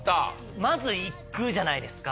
まずいくじゃないですか